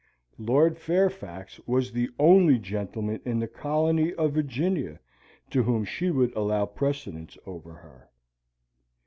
Lord Fairfax was the only gentleman in the colony of Virginia to whom she would allow precedence over her.